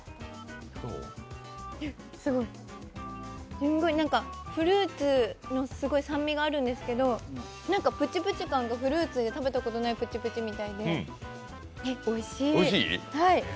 すごい、フルーツの酸味があるんですけどプチプチ感がフルーツでは食べたことないプチプチで、えっ、おいしい！